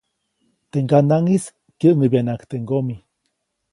Teʼ ŋganaʼŋis kyäŋʼäbyanaʼajk teʼ ŋgomi.